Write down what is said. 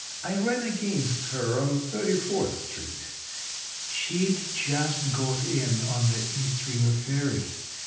I ran against her on Thirty fourth Street. She'd just got in on the East River ferry.